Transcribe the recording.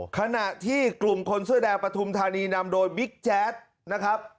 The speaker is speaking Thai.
ขณะที่กลุ่มคนเสื้อแดงปฐุมธานีนำโดยบิ๊กแจ๊ดนะครับ